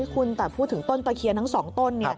คุณแต่พูดถึงต้นตะเคียนทั้ง๒ต้น